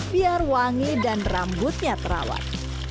biar wangi dan rambutnya terawat